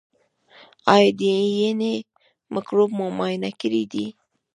ایا د ینې مکروب مو معاینه کړی دی؟